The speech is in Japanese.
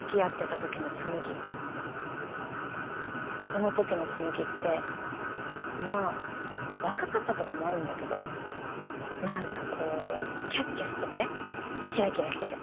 そのときの紬ってまあ若かったとかもあるんだけど何かこうキャッキャしててキラキラしてて。